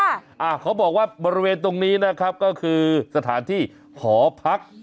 อ่าเขาบอกว่าบริเวณตรงนี้นะครับก็คือสถานที่หอพัก